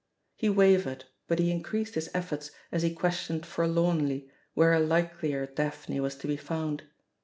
He wavered, but he increased his efforts as he questioned forlornly where a likelier "Daphne" was to be found.